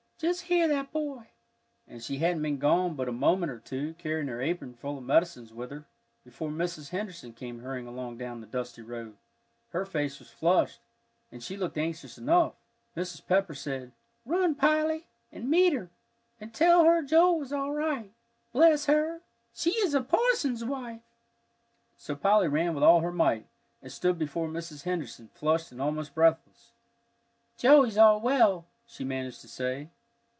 Just hear that boy!" And she hadn't been gone but a moment or two, carrying her apron full of medicines with her, before Mrs. Henderson came hurrying along down the dusty road. Her face was flushed, and she looked anxious enough. Mrs. Pepper said, "Run, Polly, and meet her, and tell her Joel is all right. Bless her! She is a parson's wife!" So Polly ran with all her might, and stood before Mrs. Henderson, flushed and almost breathless. "Joey's all well," she managed to say.